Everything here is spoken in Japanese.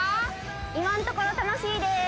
今んところ楽しいです！